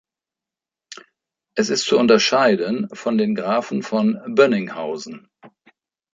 Es ist zu unterscheiden von den Grafen von Bönninghausen.